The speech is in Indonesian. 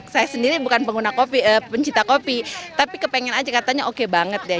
saya sendiri bukan pengguna kopi pencinta kopi tapi kepengen aja katanya oke banget deh